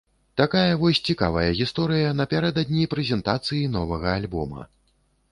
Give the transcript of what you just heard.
Такая вось цікавая гісторыя напярэдадні прэзентацыі новага альбома.